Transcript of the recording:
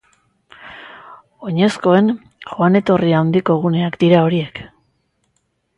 Oinezkoen joan-etorri handiko guneak dira horiek.